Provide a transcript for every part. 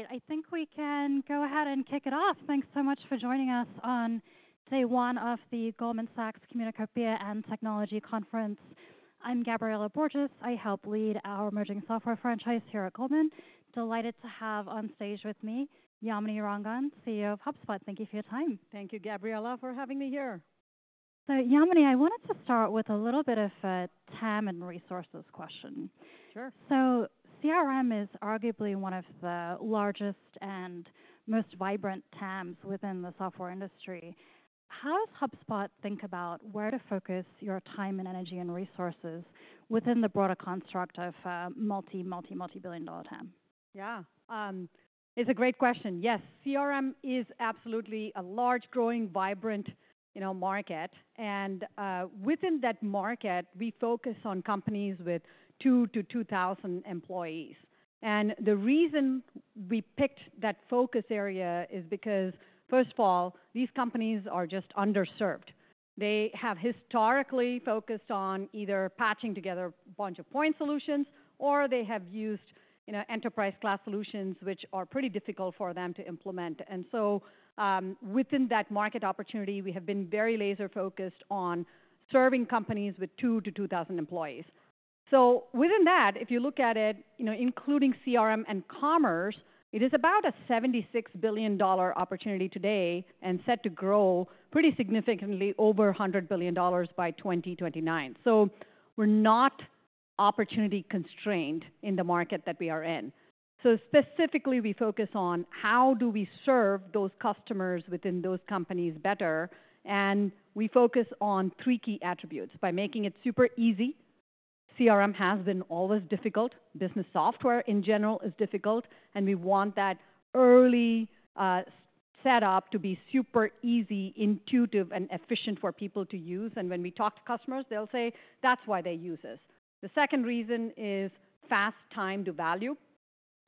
All right, I think we can go ahead and kick it off. Thanks so much for joining us on day one of the Goldman Sachs Communacopia and Technology Conference. I'm Gabriela Borges. I help lead our emerging software franchise here at Goldman. Delighted to have on stage with me, Yamini Rangan, CEO of HubSpot. Thank you for your time. Thank you, Gabriela, for having me here. So, Yamini, I wanted to start with a little bit of a TAM and resources question. Sure. So CRM is arguably one of the largest and most vibrant TAMs within the software industry. How does HubSpot think about where to focus your time and energy and resources within the broader construct of multi-billion dollar TAM? Yeah. It's a great question. Yes, CRM is absolutely a large, growing, vibrant, you know, market, and within that market, we focus on companies with two to two thousand employees. And the reason we picked that focus area is because, first of all, these companies are just underserved. They have historically focused on either patching together a bunch of point solutions or they have used, you know, enterprise-class solutions, which are pretty difficult for them to implement. And so, within that market opportunity, we have been very laser-focused on serving companies with two to two thousand employees. So within that, if you look at it, you know, including CRM and commerce, it is about a $76 billion opportunity today and set to grow pretty significantly over $100 billion by 2029. So we're not opportunity constrained in the market that we are in. So specifically, we focus on how do we serve those customers within those companies better, and we focus on three key attributes: by making it super easy. CRM has been always difficult. Business software in general is difficult, and we want that early set-up to be super easy, intuitive, and efficient for people to use. And when we talk to customers, they'll say that's why they use us. The second reason is fast time to value,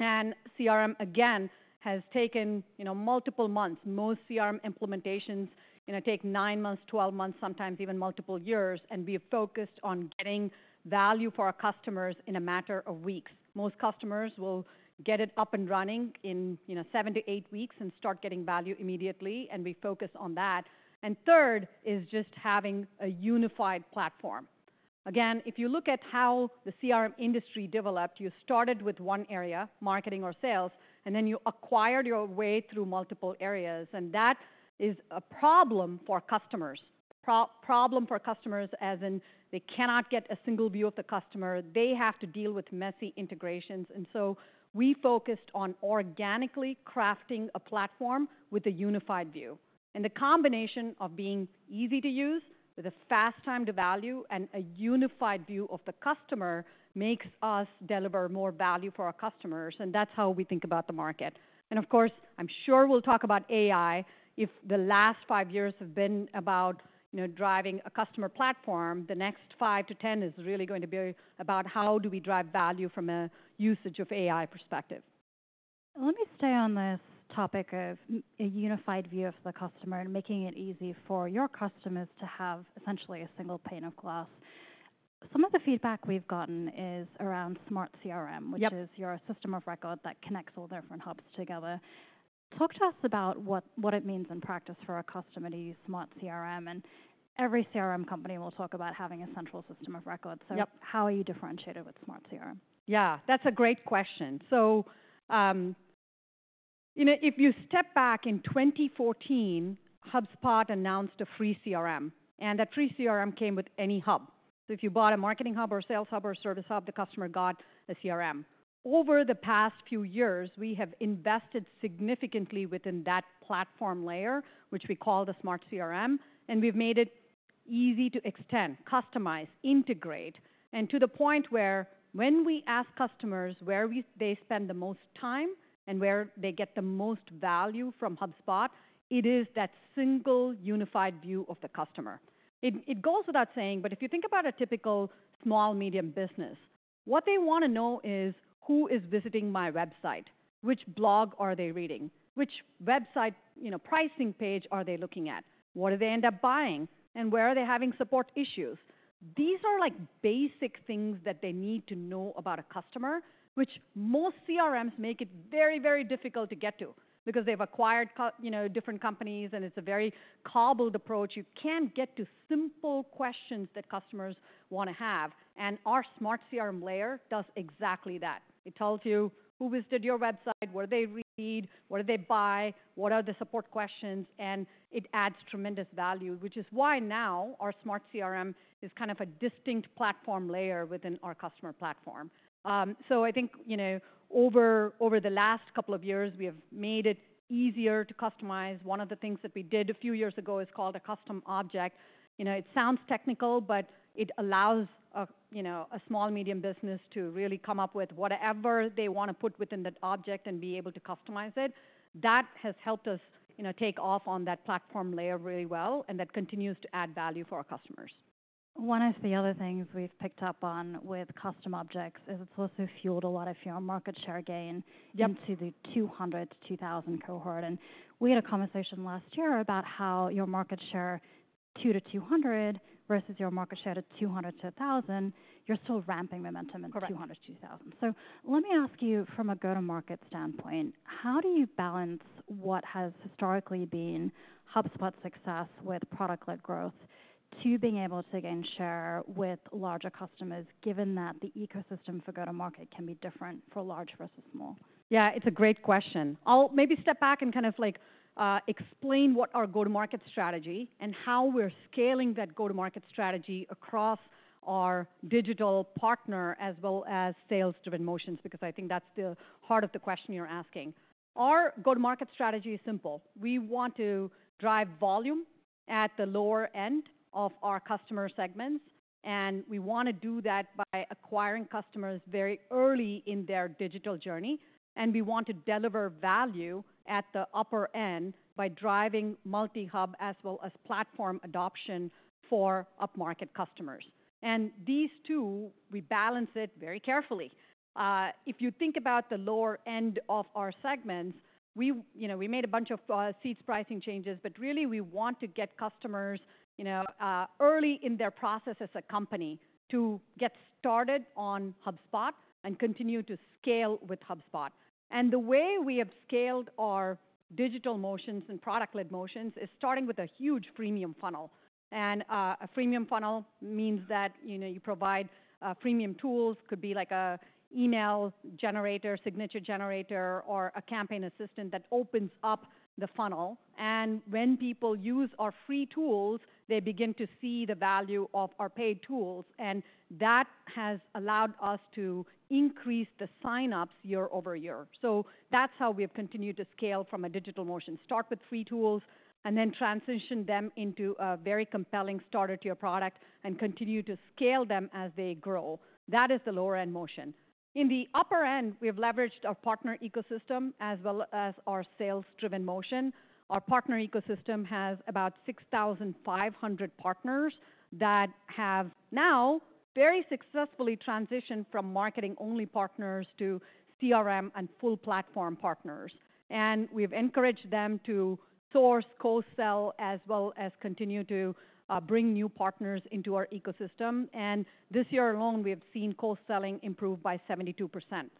and CRM, again, has taken, you know, multiple months. Most CRM implementations, you know, take nine months, 12 months, sometimes even multiple years, and we are focused on getting value for our customers in a matter of weeks. Most customers will get it up and running in, you know, seven to eight weeks and start getting value immediately, and we focus on that. And third is just having a unified platform. Again, if you look at how the CRM industry developed, you started with one area, marketing or sales, and then you acquired your way through multiple areas, and that is a problem for customers, as in they cannot get a single view of the customer. They have to deal with messy integrations, and so we focused on organically crafting a platform with a unified view. And the combination of being easy to use, with a fast time to value, and a unified view of the customer, makes us deliver more value for our customers, and that's how we think about the market, and of course, I'm sure we'll talk about AI. If the last five years have been about, you know, driving a customer platform, the next five to 10 is really going to be about how do we drive value from a usage of AI perspective. Let me stay on this topic of a unified view of the customer and making it easy for your customers to have essentially a single pane of glass. Some of the feedback we've gotten is around Smart CRM which is your system of record that connects all different hubs together. Talk to us about what it means in practice for a customer to use Smart CRM, and every CRM company will talk about having a central system of record. How are you differentiated with Smart CRM? Yeah, that's a great question. So, you know, if you step back in 2014, HubSpot announced a free CRM, and that free CRM came with any hub. So if you bought a Marketing Hub or a Sales Hub or a Service Hub, the customer got a CRM. Over the past few years, we have invested significantly within that platform layer, which we call the Smart CRM, and we've made it easy to extend, customize, integrate, and to the point where when we ask customers where they spend the most time and where they get the most value from HubSpot, it is that single unified view of the customer. It goes without saying, but if you think about a typical small or medium business, what they wanna know is, who is visiting my website? Which blog are they reading? Which website, you know, pricing page are they looking at? What do they end up buying? And where are they having support issues? These are like basic things that they need to know about a customer, which most CRMs make it very, very difficult to get to because they've acquired companies. You know, different companies, and it's a very cobbled approach. You can't get to simple questions that customers wanna have, and our Smart CRM layer does exactly that. It tells you who visited your website, what do they read, what do they buy, what are the support questions, and it adds tremendous value, which is why now our Smart CRM is kind of a distinct platform layer within our customer platform. So I think, you know, over the last couple of years, we have made it easier to customize. One of the things that we did a few years ago is called a Custom Object. You know, it sounds technical, but it allows a, you know, a small, medium business to really come up with whatever they wanna put within that object and be able to customize it. That has helped us, you know, take off on that platform layer really well, and that continues to add value for our customers. One of the other things we've picked up on with custom objects is it's also fueled a lot of your market share gain into the two hundred to two thousand cohort. And we had a conversation last year about how your market share, two to two hundred, versus your market share at two hundred to a thousand, you're still ramping momentum in two hundred to two thousand. Correct. So let me ask you from a go-to-market standpoint, how do you balance what has historically been HubSpot's success with product-led growth to being able to gain share with larger customers, given that the ecosystem for go-to-market can be different for large versus small? Yeah, it's a great question. I'll maybe step back and kind of like, explain what our go-to-market strategy and how we're scaling that go-to-market strategy across our digital partner, as well as sales-driven motions, because I think that's the heart of the question you're asking. Our go-to-market strategy is simple: we want to drive volume at the lower end of our customer segments, and we want to do that by acquiring customers very early in their digital journey. And we want to deliver value at the upper end by driving multi-Hub as well as platform adoption for up-market customers. And these two, we balance it very carefully. If you think about the lower end of our segments, we, you know, we made a bunch of seats pricing changes, but really, we want to get customers, you know, early in their process as a company to get started on HubSpot and continue to scale with HubSpot. The way we have scaled our digital motions and product-led motions is starting with a huge freemium funnel. A freemium funnel means that, you know, you provide freemium tools, could be like an email generator, signature generator, or a Campaign Assistant that opens up the funnel. When people use our free tools, they begin to see the value of our paid tools, and that has allowed us to increase the sign-ups year over year. That's how we have continued to scale from a digital motion. Start with free tools, and then transition them into a very compelling Starter to your product and continue to scale them as they grow. That is the lower-end motion. In the upper end, we have leveraged our partner ecosystem as well as our sales-driven motion. Our partner ecosystem has about 6,500 partners that have now very successfully transitioned from marketing-only partners to CRM and full platform partners. And we've encouraged them to source, co-sell, as well as continue to bring new partners into our ecosystem. And this year alone, we have seen co-selling improve by 72%.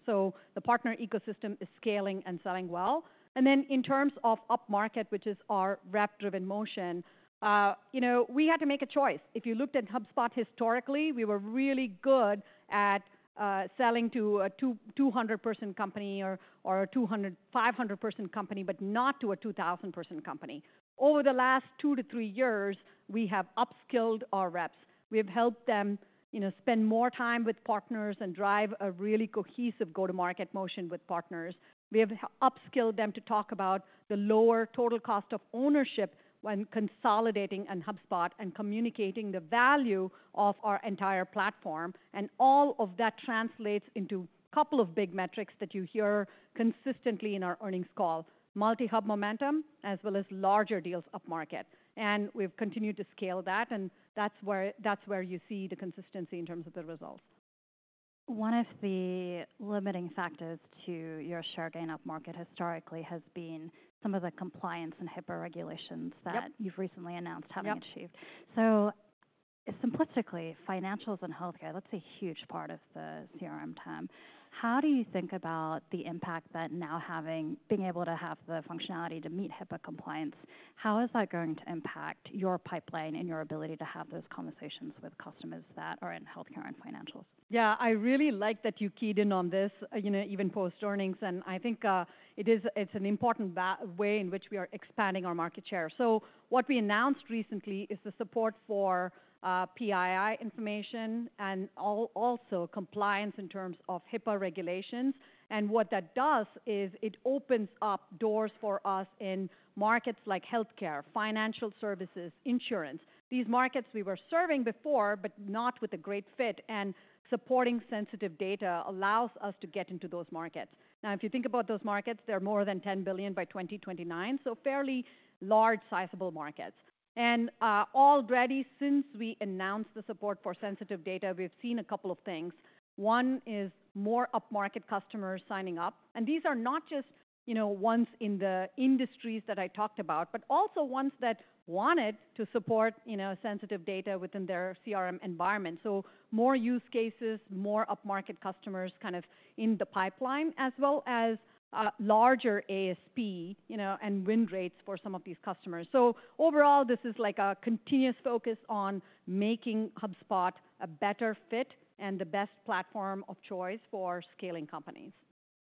So the partner ecosystem is scaling and selling well. And then in terms of up-market, which is our rep-driven motion, you know, we had to make a choice. If you looked at HubSpot historically, we were really good at selling to a 200-person company or a 200-500-person company, but not to a 2,000-person company. Over the last two to three years, we have upskilled our reps. We have helped them, you know, spend more time with partners and drive a really cohesive go-to-market motion with partners. We have upskilled them to talk about the lower total cost of ownership when consolidating in HubSpot and communicating the value of our entire platform. And all of that translates into a couple of big metrics that you hear consistently in our earnings call: multi-hub momentum, as well as larger deals upmarket. And we've continued to scale that, and that's where you see the consistency in terms of the results. One of the limiting factors to your share gain upmarket historically has been some of the compliance and HIPAA regulations that you've recently announced having achieved. Simplistically, financials and healthcare, that's a huge part of the CRM TAM. How do you think about the impact that now being able to have the functionality to meet HIPAA compliance, how is that going to impact your pipeline and your ability to have those conversations with customers that are in healthcare and financials? Yeah, I really like that you keyed in on this, you know, even post-earnings, and I think, it is an important way in which we are expanding our market share, so what we announced recently is the support for PII information and also compliance in terms of HIPAA regulations, and what that does is it opens up doors for us in markets like healthcare, financial services, insurance. These markets we were serving before, but not with a great fit, and supporting sensitive data allows us to get into those markets. Now, if you think about those markets, they're more than $10 billion by 2029, so fairly large, sizable markets, and already, since we announced the support for sensitive data, we've seen a couple of things. One is more upmarket customers signing up, and these are not just, you know, ones in the industries that I talked about, but also ones that wanted to support, you know, sensitive data within their CRM environment. So more use cases, more upmarket customers kind of in the pipeline, as well as, larger ASP, you know, and win rates for some of these customers. So overall, this is like a continuous focus on making HubSpot a better fit and the best platform of choice for scaling companies.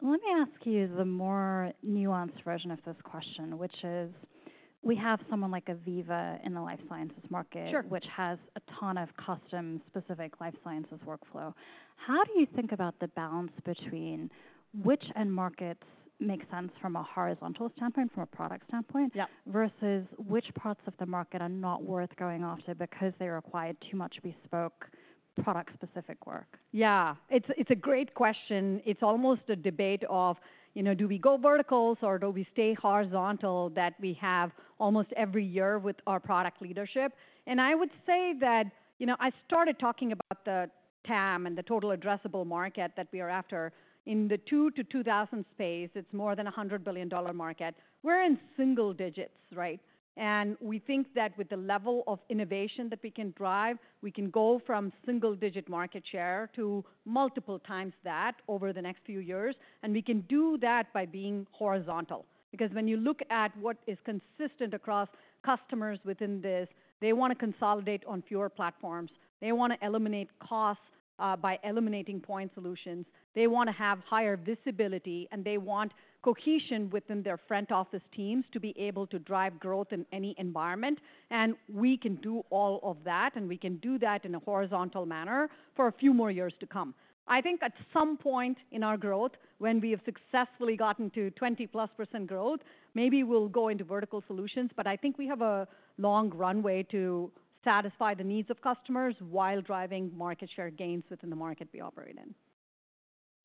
Let me ask you the more nuanced version of this question, which is: we have someone like Veeva in the life sciences market- Sure. which has a ton of custom-specific life sciences workflow. How do you think about the balance between which end markets make sense from a horizontal standpoint, from a product standpoint versus which parts of the market are not worth going after because they require too much bespoke?... product-specific work? Yeah, it's, it's a great question. It's almost a debate of, you know, do we go verticals or do we stay horizontal, that we have almost every year with our product leadership. And I would say that, you know, I started talking about the TAM and the total addressable market that we are after. In the two to two thousand space, it's more than a $100 billion market. We're in single digits, right? And we think that with the level of innovation that we can drive, we can go from single digit market share to multiple times that over the next few years. And we can do that by being horizontal. Because when you look at what is consistent across customers within this, they wanna consolidate on fewer platforms, they wanna eliminate costs by eliminating point solutions, they wanna have higher visibility, and they want cohesion within their front office teams to be able to drive growth in any environment, and we can do all of that, and we can do that in a horizontal manner for a few more years to come. I think at some point in our growth, when we have successfully gotten to 20+% growth, maybe we'll go into vertical solutions, but I think we have a long runway to satisfy the needs of customers while driving market share gains within the market we operate in.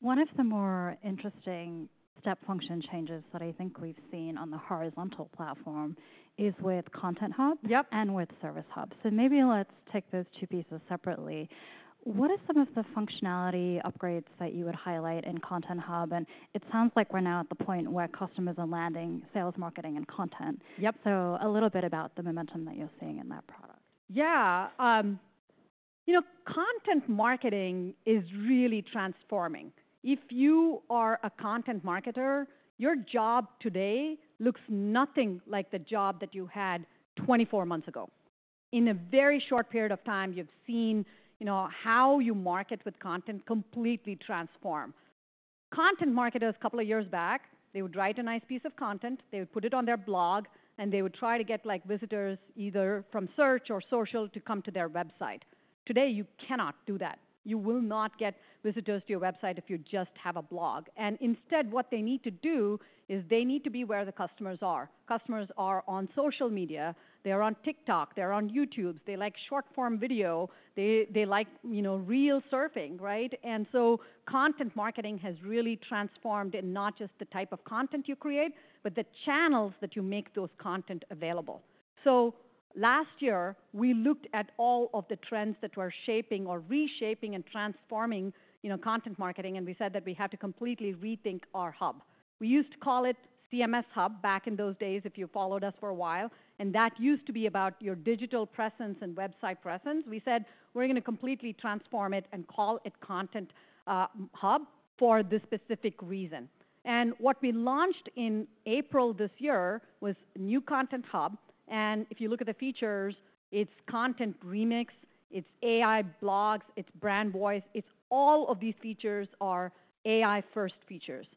One of the more interesting step function changes that I think we've seen on the horizontal platform is with Content Hub and with Service Hub. So maybe let's take those two pieces separately. What are some of the functionality upgrades that you would highlight in Content Hub? And it sounds like we're now at the point where customers are landing sales, marketing, and content. A little bit about the momentum that you're seeing in that product. Yeah. You know, content marketing is really transforming. If you are a content marketer, your job today looks nothing like the job that you had 24 months ago. In a very short period of time, you've seen, you know, how you market with content completely transform. Content marketers, a couple of years back, they would write a nice piece of content, they would put it on their blog, and they would try to get, like, visitors either from search or social to come to their website. Today, you cannot do that. You will not get visitors to your website if you just have a blog. And instead, what they need to do is they need to be where the customers are. Customers are on social media, they are on TikTok, they're on YouTube. They like short-form video. They, they like, you know, Reel surfing, right? And so content marketing has really transformed in not just the type of content you create, but the channels that you make those content available. So last year, we looked at all of the trends that were shaping or reshaping and transforming, you know, content marketing, and we said that we had to completely rethink our hub. We used to call it CMS Hub back in those days, if you followed us for a while, and that used to be about your digital presence and website presence. We said: "We're gonna completely transform it and call it Content Hub," for this specific reason. And what we launched in April this year was new Content Hub, and if you look at the features, it's Content Remix, it's AI blogs, it's Brand Voice, it's all of these features are AI-first features.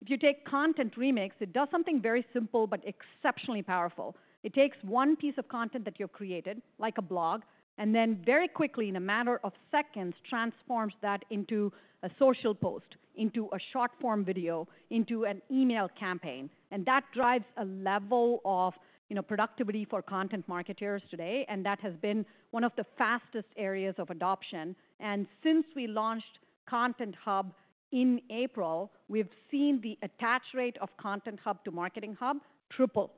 If you take Content Remix, it does something very simple but exceptionally powerful. It takes one piece of content that you've created, like a blog, and then very quickly, in a matter of seconds, transforms that into a social post, into a short-form video, into an email campaign. And that drives a level of, you know, productivity for content marketers today, and that has been one of the fastest areas of adoption. And since we launched Content Hub in April, we've seen the attach rate of Content Hub to Marketing Hub triple.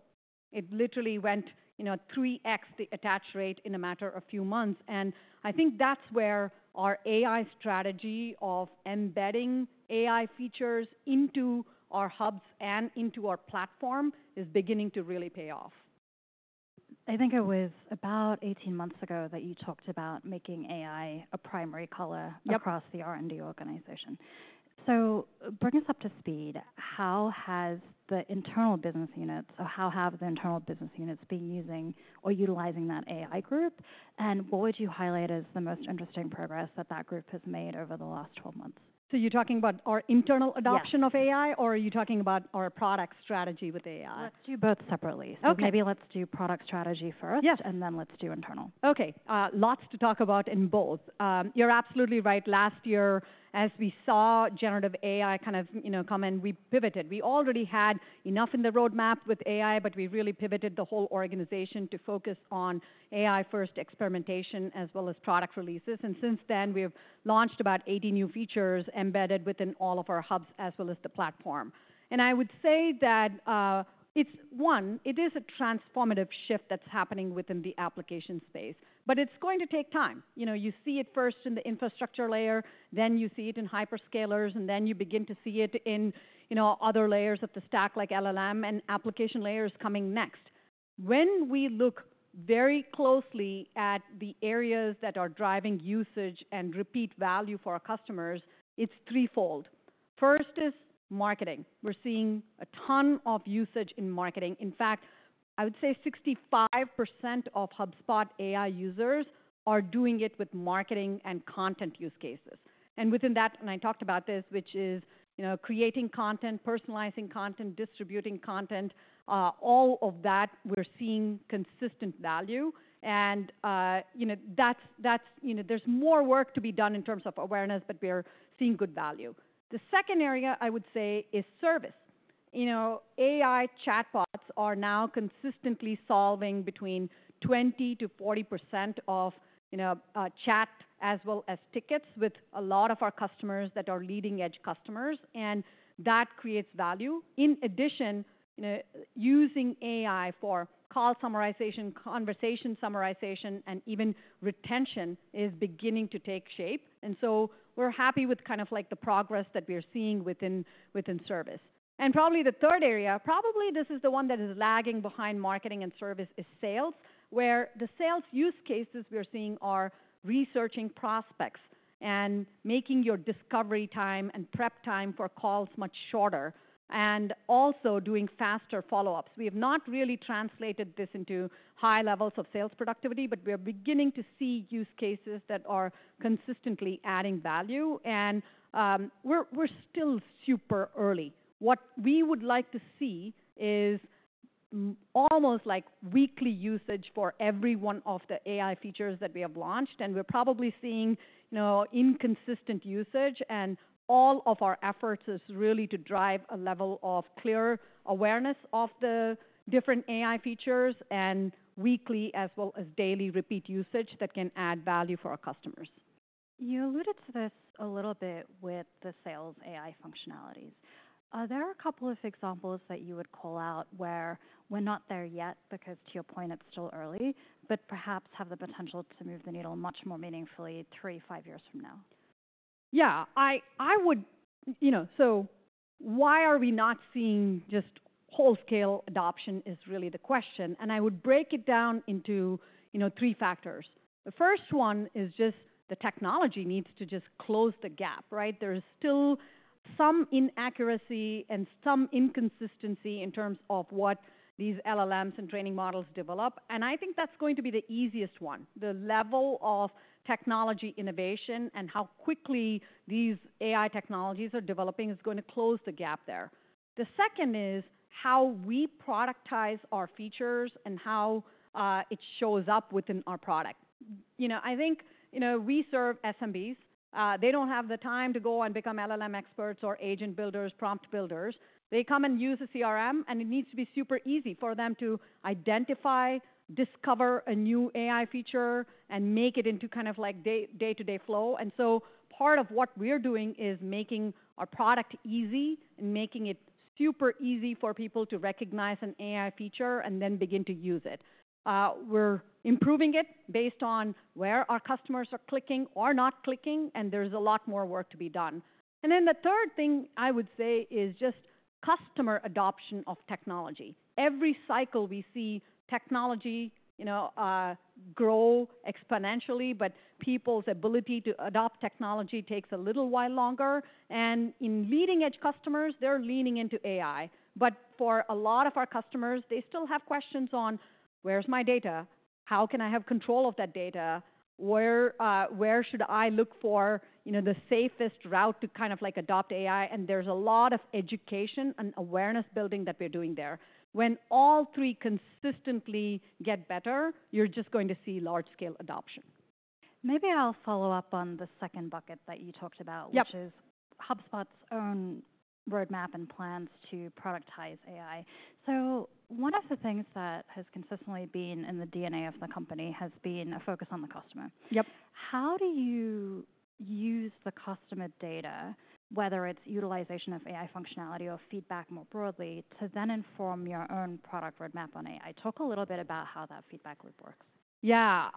It literally went, you know, three x the attach rate in a matter of few months, and I think that's where our AI strategy of embedding AI features into our hubs and into our platform is beginning to really pay off. I think it was about 180 months ago that you talked about making AI a primary color across the R&D organization. So bring us up to speed. How has the internal business units, or how have the internal business units been using or utilizing that AI group? And what would you highlight as the most interesting progress that that group has made over the last 12 months? So you're talking about our internal adoption of AI or are you talking about our product strategy with AI? Let's do both separately. Okay. So maybe let's do product strategy first and then let's do internal. Okay, lots to talk about in both. You're absolutely right. Last year, as we saw generative AI kind of, you know, come in, we pivoted. We already had enough in the roadmap with AI, but we really pivoted the whole organization to focus on AI-first experimentation as well as product releases. And since then, we have launched about 80 new features embedded within all of our hubs as well as the platform. And I would say that, it's. One, it is a transformative shift that's happening within the application space, but it's going to take time. You know, you see it first in the infrastructure layer, then you see it in hyperscalers, and then you begin to see it in, you know, other layers of the stack, like LLM and application layers coming next. When we look very closely at the areas that are driving usage and repeat value for our customers, it's threefold. First is marketing. We're seeing a ton of usage in marketing. In fact, I would say 65% of HubSpot AI users are doing it with marketing and content use cases. And within that, and I talked about this, which is, you know, creating content, personalizing content, distributing content, all of that, we're seeing consistent value. And you know, that's, you know, there's more work to be done in terms of awareness, but we're seeing good value. The second area, I would say, is service. You know, AI chatbots are now consistently solving between 20% to 40% of, you know, chat as well as tickets with a lot of our customers that are leading-edge customers, and that creates value. In addition, you know, using AI for call summarization, conversation summarization, and even retention is beginning to take shape. And so we're happy with kind of like the progress that we are seeing within service. And probably the third area, probably this is the one that is lagging behind marketing and service, is sales, where the sales use cases we are seeing are researching prospects and making your discovery time and prep time for calls much shorter, and also doing faster follow-ups. We have not really translated this into high levels of sales productivity, but we are beginning to see use cases that are consistently adding value, and we're still super early. What we would like to see is almost like weekly usage for every one of the AI features that we have launched, and we're probably seeing, you know, inconsistent usage and all of our efforts is really to drive a level of clear awareness of the different AI features and weekly as well as daily repeat usage that can add value for our customers. You alluded to this a little bit with the sales AI functionalities. Are there a couple of examples that you would call out where we're not there yet, because to your point, it's still early, but perhaps have the potential to move the needle much more meaningfully three, five years from now? Yeah, I would. You know, so why are we not seeing just wholesale adoption is really the question, and I would break it down into, you know, three factors. The first one is just the technology needs to just close the gap, right? There is still some inaccuracy and some inconsistency in terms of what these LLMs and training models develop, and I think that's going to be the easiest one. The level of technology innovation and how quickly these AI technologies are developing is gonna close the gap there. The second is how we productize our features and how it shows up within our product. You know, I think, you know, we serve SMBs. They don't have the time to go and become LLM experts or agent builders, prompt builders. They come and use the CRM, and it needs to be super easy for them to identify, discover a new AI feature, and make it into kind of like day-to-day flow. And so part of what we are doing is making our product easy and making it super easy for people to recognize an AI feature and then begin to use it. We're improving it based on where our customers are clicking or not clicking, and there's a lot more work to be done. And then the third thing I would say is just customer adoption of technology. Every cycle, we see technology, you know, grow exponentially, but people's ability to adopt technology takes a little while longer, and in leading-edge customers, they're leaning into AI. But for a lot of our customers, they still have questions on: Where's my data? How can I have control of that data? Where, where should I look for, you know, the safest route to kind of like adopt AI? And there's a lot of education and awareness building that we're doing there. When all three consistently get better, you're just going to see large-scale adoption. Maybe I'll follow up on the second bucket that you talked about which is HubSpot's own roadmap and plans to productize AI. So one of the things that has consistently been in the DNA of the company has been a focus on the customer. How do you use the customer data, whether it's utilization of AI functionality or feedback more broadly, to then inform your own product roadmap on AI? Talk a little bit about how that feedback loop works. Yeah.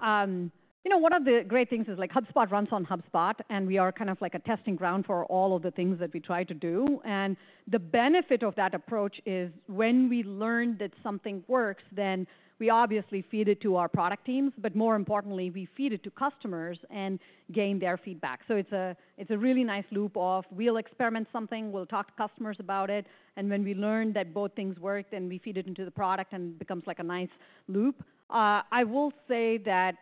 You know, one of the great things is like HubSpot runs on HubSpot, and we are kind of like a testing ground for all of the things that we try to do. And the benefit of that approach is when we learn that something works, then we obviously feed it to our product teams, but more importantly, we feed it to customers and gain their feedback. So it's a really nice loop of we'll experiment something, we'll talk to customers about it, and when we learn that both things work, then we feed it into the product, and it becomes like a nice loop. I will say that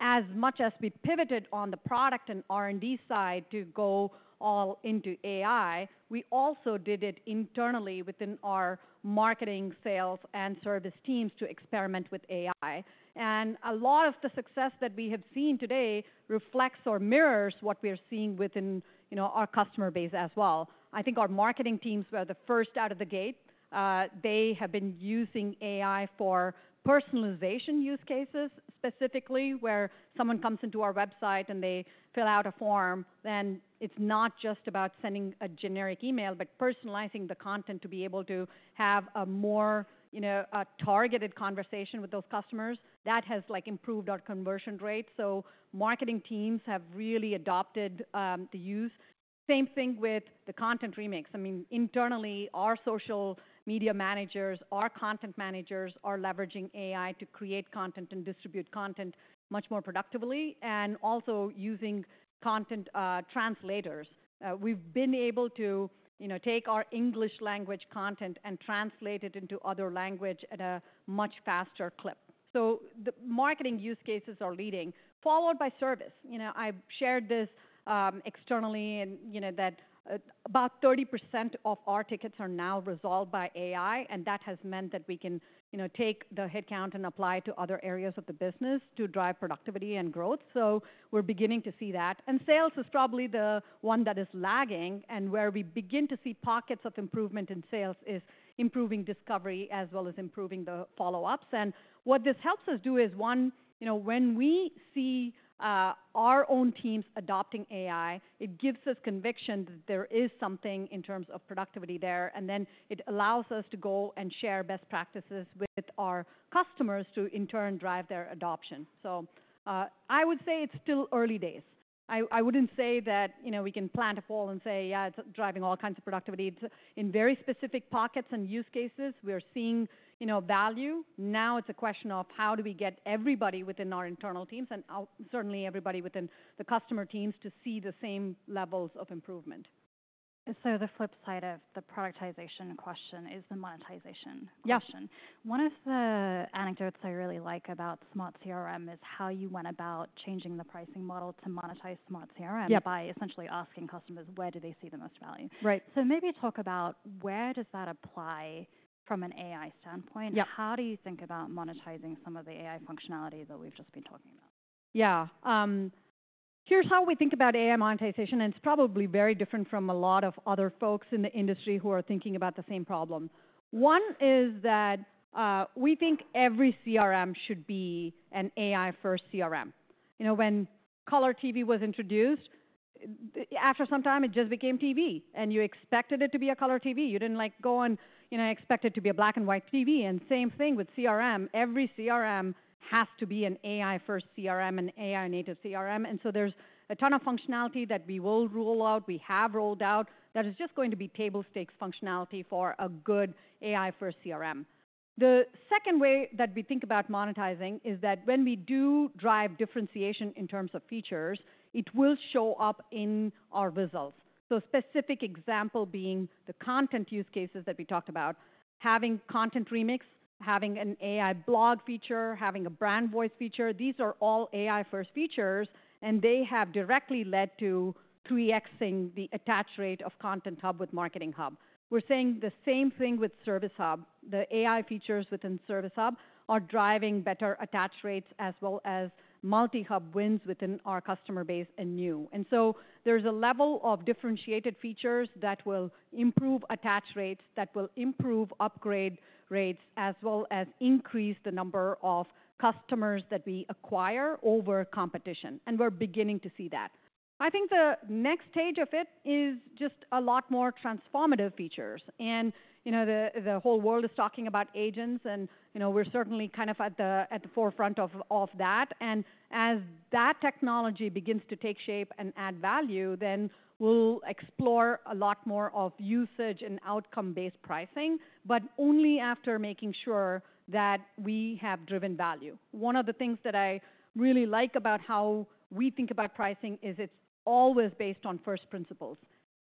as much as we pivoted on the product and R&D side to go all into AI, we also did it internally within our marketing, sales, and service teams to experiment with AI. And a lot of the success that we have seen today reflects or mirrors what we are seeing within, you know, our customer base as well. I think our marketing teams were the first out of the gate. They have been using AI for personalization use cases, specifically, where someone comes into our website and they fill out a form. Then it's not just about sending a generic email, but personalizing the content to be able to have a more, you know, a targeted conversation with those customers. That has, like, improved our conversion rate. So marketing teams have really adopted. Same thing with the content remix. I mean, internally, our social media managers, our content managers are leveraging AI to create content and distribute content much more productively, and also using content translators. We've been able to, you know, take our English language content and translate it into other language at a much faster clip. So the marketing use cases are leading, followed by service. You know, I've shared this externally, and you know that about 30% of our tickets are now resolved by AI, and that has meant that we can, you know, take the head count and apply to other areas of the business to drive productivity and growth. So we're beginning to see that. Sales is probably the one that is lagging, and where we begin to see pockets of improvement in sales is improving discovery as well as improving the follow-ups. And what this helps us do is, one, you know, when we see our own teams adopting AI, it gives us conviction that there is something in terms of productivity there, and then it allows us to go and share best practices with our customers to, in turn, drive their adoption. So, I would say it's still early days. I wouldn't say that, you know, we can plant a flag and say, "Yeah, it's driving all kinds of productivity." It's in very specific pockets and use cases, we are seeing, you know, value. Now it's a question of how do we get everybody within our internal teams, and outside, certainly everybody within the customer teams, to see the same levels of improvement. And so the flip side of the productization question is the monetization question. One of the anecdotes I really like about Smart CRM is how you went about changing the pricing model to monetize Smart CRM by essentially asking customers, where do they see the most value? So maybe talk about where does that apply from an AI standpoint? How do you think about monetizing some of the AI functionality that we've just been talking about? Yeah. Here's how we think about AI monetization, and it's probably very different from a lot of other folks in the industry who are thinking about the same problem. One is that, we think every CRM should be an AI-first CRM. You know, when color TV was introduced, after some time, it just became TV, and you expected it to be a color TV. You didn't, like, go and, you know, expect it to be a black-and-white TV. And same thing with CRM. Every CRM has to be an AI-first CRM, an AI-native CRM, and so there's a ton of functionality that we will roll out, we have rolled out, that is just going to be table stakes functionality for a good AI-first CRM. The second way that we think about monetizing is that when we do drive differentiation in terms of features, it will show up in our results. So specific example being the content use cases that we talked about, having Content Remix, having an AI blog feature, having a Brand Voice feature, these are all AI-first features, and they have directly led to 3Xing the attach rate of Content Hub with Marketing Hub. We're seeing the same thing with Service Hub. The AI features within Service Hub are driving better attach rates as well as multi-hub wins within our customer base and new. And so there's a level of differentiated features that will improve attach rates, that will improve upgrade rates, as well as increase the number of customers that we acquire over competition, and we're beginning to see that. I think the next stage of it is just a lot more transformative features, and, you know, the whole world is talking about agents and, you know, we're certainly kind of at the forefront of that, and as that technology begins to take shape and add value, then we'll explore a lot more of usage and outcome-based pricing, but only after making sure that we have driven value. One of the things that I really like about how we think about pricing is it's always based on first principles: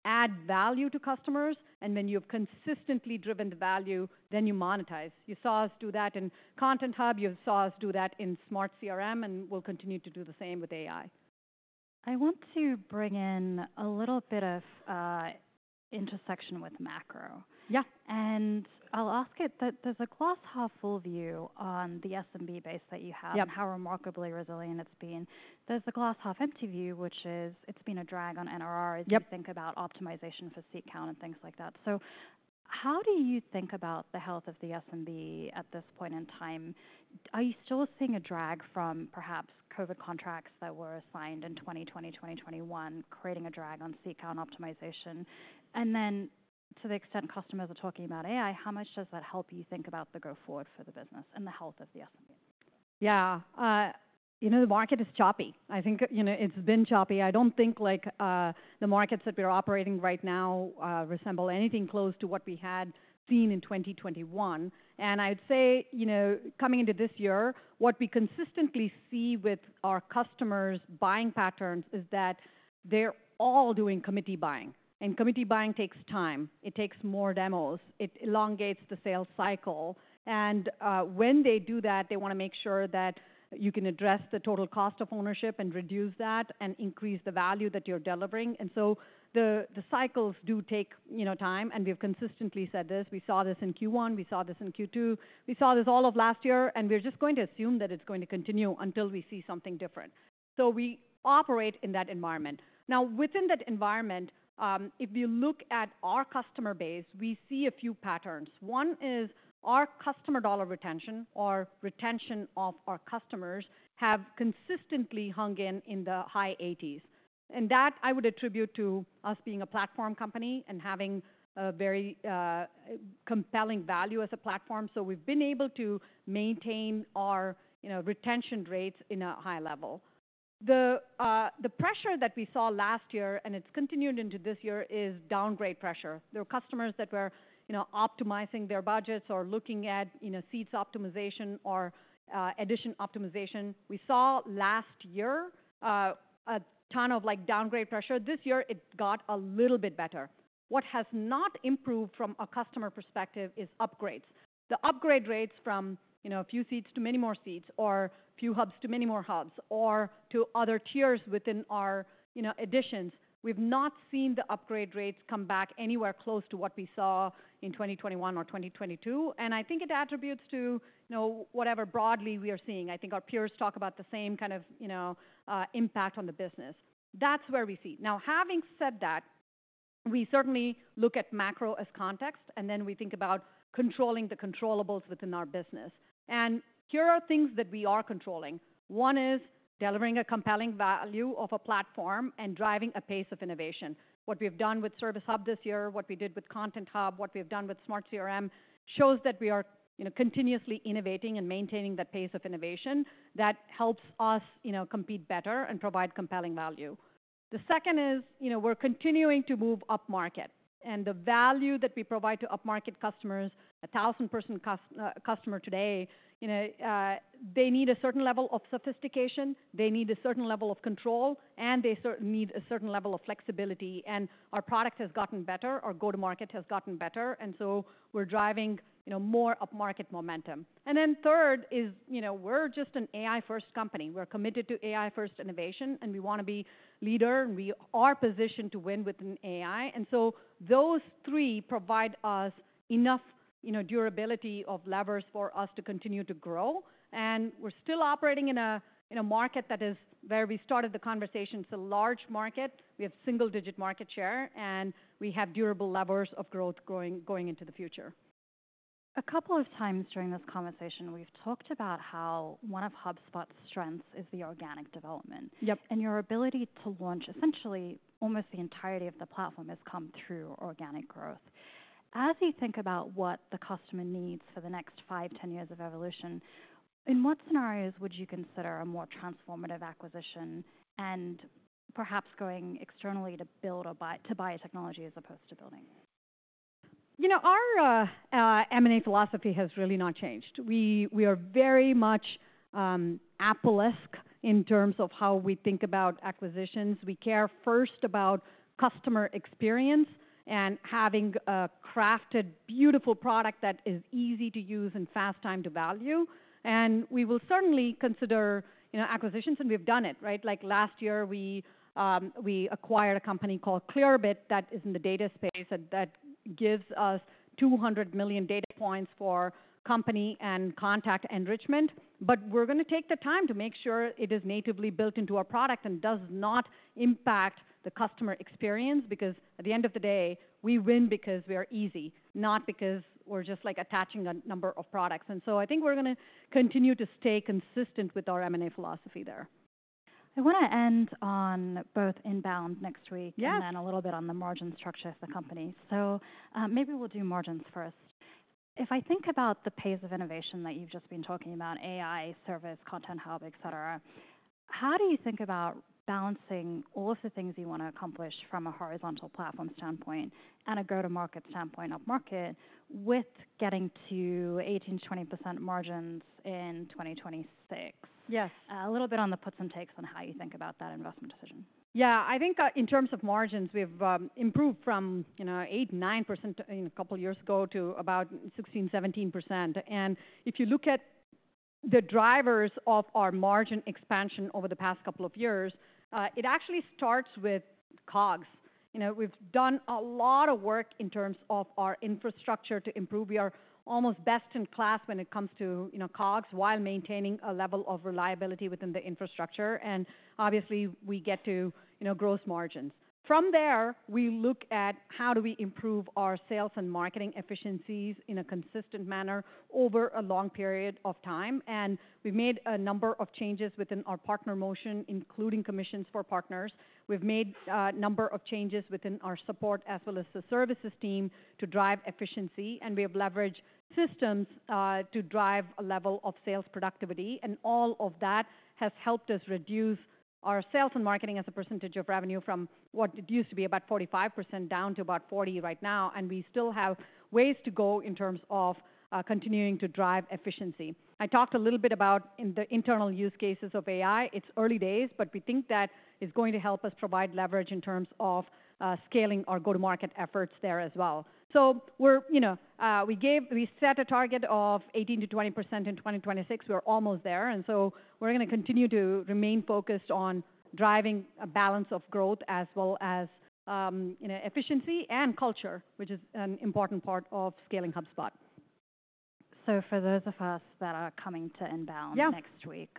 Add value to customers, and when you've consistently driven the value, then you monetize. You saw us do that in Content Hub, you saw us do that in Smart CRM, and we'll continue to do the same with AI. I want to bring in a little bit of intersection with macro. And I'll ask it that there's a glass-half-full view on the SMB base that you have and how remarkably resilient it's been. There's a glass-half-empty view, which is it's been a drag on NRR. As you think about optimization for seat count and things like that. So how do you think about the health of the SMB at this point in time? Are you still seeing a drag from perhaps COVID contracts that were assigned in 2020, 2021, creating a drag on seat count optimization? And then to the extent customers are talking about AI, how much does that help you think about the go forward for the business and the health of the SMB? Yeah. You know, the market is choppy. I think, you know, it's been choppy. I don't think, like, the markets that we are operating right now resemble anything close to what we had seen in 2021. And I'd say, you know, coming into this year, what we consistently see with our customers' buying patterns is that they're all doing committee buying, and committee buying takes time. It takes more demos, it elongates the sales cycle, and when they do that, they wanna make sure that you can address the total cost of ownership and reduce that and increase the value that you're delivering. And so the cycles do take, you know, time, and we've consistently said this. We saw this in Q1, we saw this in Q2, we saw this all of last year, and we're just going to assume that it's going to continue until we see something different. So we operate in that environment. Now, within that environment, if you look at our customer base, we see a few patterns. One is our customer dollar retention or retention of our customers have consistently hung in the high 80s, and that I would attribute to us being a platform company and having a very compelling value as a platform. So we've been able to maintain our, you know, retention rates in a high level. The pressure that we saw last year, and it's continued into this year, is downgrade pressure. There were customers that were, you know, optimizing their budgets or looking at, you know, seats optimization or edition optimization. We saw last year a ton of, like, downgrade pressure. This year, it got a little bit better. What has not improved from a customer perspective is upgrades. The upgrade rates from, you know, a few seats to many more seats, or few hubs to many more hubs, or to other tiers within our, you know, editions, we've not seen the upgrade rates come back anywhere close to what we saw in 2021 or 2022, and I think it attributes to, you know, whatever broadly we are seeing. I think our peers talk about the same kind of, you know, impact on the business. That's where we see. Now, having said that, we certainly look at macro as context, and then we think about controlling the controllables within our business, and here are things that we are controlling. One is delivering a compelling value of a platform and driving a pace of innovation. What we've done with Service Hub this year, what we did with Content Hub, what we've done with Smart CRM, shows that we are, you know, continuously innovating and maintaining the pace of innovation that helps us, you know, compete better and provide compelling value. The second is, you know, we're continuing to move upmarket, and the value that we provide to upmarket customers, a thousand-person customer today, you know, they need a certain level of sophistication, they need a certain level of control, and they need a certain level of flexibility, and our product has gotten better, our go-to-market has gotten better, and so we're driving, you know, more upmarket momentum. And then third is, you know, we're just an AI-first company. We're committed to AI-first innovation, and we want to be leader, and we are positioned to win within AI. And so those three provide us enough, you know, durability of levers for us to continue to grow, and we're still operating in a market that is where we started the conversation. It's a large market, we have single-digit market share, and we have durable levers of growth growing, going into the future. A couple of times during this conversation, we've talked about how one of HubSpot's strengths is the organic development. Your ability to launch, essentially almost the entirety of the platform, has come through organic growth. As you think about what the customer needs for the next five, 10 years of evolution, in what scenarios would you consider a more transformative acquisition and perhaps going externally to build or buy, to buy a technology as opposed to building it? You know, our M&A philosophy has really not changed. We are very much Apple-esque in terms of how we think about acquisitions. We care first about customer experience and having a crafted, beautiful product that is easy to use and fast time to value. And we will certainly consider, you know, acquisitions, and we've done it, right? Like, last year, we acquired a company called Clearbit that is in the data space, and that gives us 200 million data points for company and contact enrichment. But we're going to take the time to make sure it is natively built into our product and does not impact the customer experience, because at the end of the day, we win because we are easy, not because we're just, like, attaching a number of products. And so I think we're going to continue to stay consistent with our M&A philosophy there. I want to end on both Inbound next week and then a little bit on the margin structure of the company. So, maybe we'll do margins first. If I think about the pace of innovation that you've just been talking about, AI, service, Content Hub, et cetera, how do you think about balancing all of the things you want to accomplish from a horizontal platform standpoint and a go-to-market standpoint, up market, with getting to 18%-20% margins in 2026? A little bit on the puts and takes on how you think about that investment decision. Yeah. I think, in terms of margins, we've improved from, you know, 8-9% a couple years ago to about 16-17%. And if you look at the drivers of our margin expansion over the past couple of years, it actually starts with COGS. You know, we've done a lot of work in terms of our infrastructure to improve. We are almost best in class when it comes to, you know, COGS, while maintaining a level of reliability within the infrastructure, and obviously, we get to, you know, growth margins. From there, we look at how do we improve our sales and marketing efficiencies in a consistent manner over a long period of time, and we've made a number of changes within our partner motion, including commissions for partners. We've made a number of changes within our support, as well as the services team, to drive efficiency, and we have leveraged systems to drive a level of sales productivity. And all of that has helped us reduce our sales and marketing as a percentage of revenue from what it used to be, about 45%, down to about 40% right now, and we still have ways to go in terms of continuing to drive efficiency. I talked a little bit about the internal use cases of AI. It's early days, but we think that it's going to help us provide leverage in terms of scaling our go-to-market efforts there as well. So we're, you know, we gave. We set a target of 18%-20% in 2026. We're almost there, and so we're going to continue to remain focused on driving a balance of growth as well as, you know, efficiency and culture, which is an important part of scaling HubSpot. So, for those of us that are coming to Inbound next week,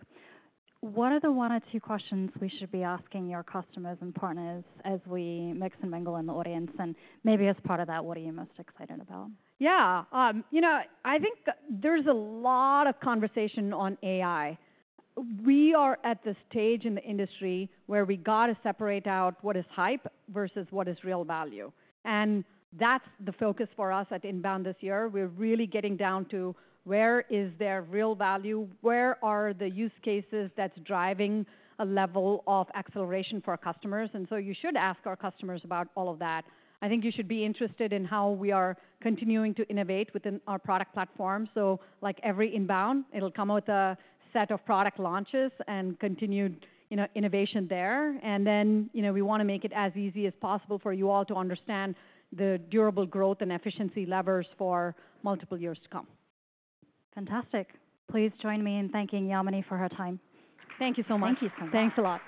what are the one or two questions we should be asking your customers and partners as we mix and mingle in the audience? And maybe as part of that, what are you most excited about? Yeah, you know, I think there's a lot of conversation on AI. We are at the stage in the industry where we got to separate out what is hype versus what is real value, and that's the focus for us at Inbound this year. We're really getting down to where is there real value? Where are the use cases that's driving a level of acceleration for our customers, and so you should ask our customers about all of that. I think you should be interested in how we are continuing to innovate within our product platform, so like every Inbound, it'll come with a set of product launches and continued, you know, innovation there, and then, you know, we want to make it as easy as possible for you all to understand the durable growth and efficiency levers for multiple years to come. Fantastic. Please join me in thanking Yamini for her time. Thank you so much. Thank you so much. Thanks a lot.